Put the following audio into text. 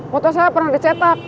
foto saya pernah dicetak